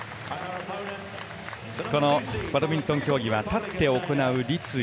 このバドミントン競技はたって行う立位。